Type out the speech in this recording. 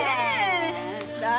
さあ！